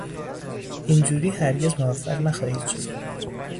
اینجوری هرگز موفق نخواهی شد.